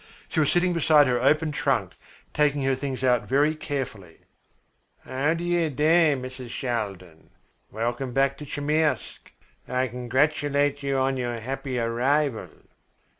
She was sitting beside her open trunk taking her things out very carefully. "How do you do, Mrs. Shaldin? Welcome back to Chmyrsk. I congratulate you on your happy arrival."